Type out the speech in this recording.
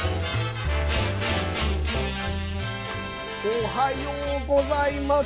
おはようございます！